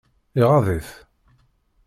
Iɣaḍ-it?